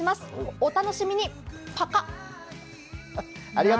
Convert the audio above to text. お楽しみに、パカッ。